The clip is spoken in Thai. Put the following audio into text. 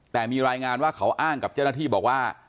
แต่มีรายงานว่าเขาอ้างกับเจ้าหน้าที่บอกว่า